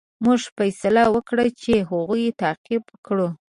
موږ فیصله وکړه چې هغوی تعقیب کړو.